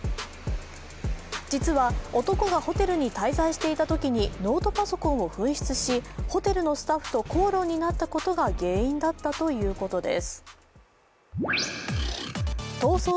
実は、男がホテルに滞在していたときにノートパソコンを紛失しホテルのスタッフと口論になったことが原因だったということです。